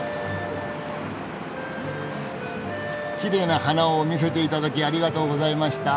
きれいな花を見せていただきありがとうございました。